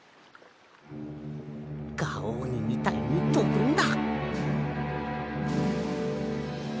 ガオーニみたいにとぶんだ。